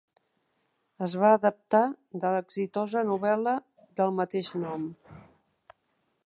Es va adaptar de l'exitosa novel·la del mateix nom.